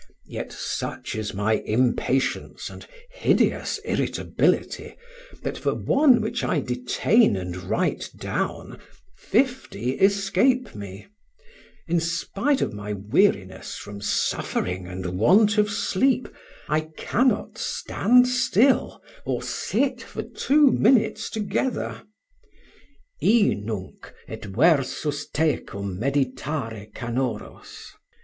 Yet such is my impatience and hideous irritability that for one which I detain and write down fifty escape me: in spite of my weariness from suffering and want of sleep, I cannot stand still or sit for two minutes together. 'I nunc, et versus tecum meditare canoros.